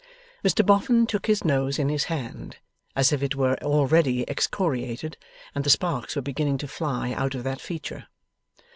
Mr Boffin took his nose in his hand, as if it were already excoriated, and the sparks were beginning to fly out of that feature.